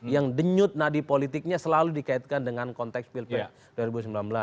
yang denyut nadi politiknya selalu dikaitkan dengan konteks pilpres dua ribu sembilan belas